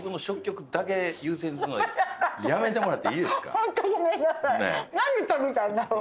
ホントにごめんなさい。